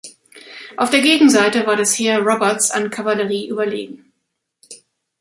Auf der Gegenseite war das Heer Roberts an Kavallerie überlegen.